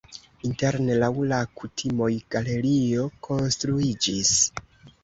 Interne laŭ la kutimoj galerio konstruiĝis.